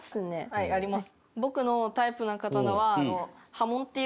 はいあります。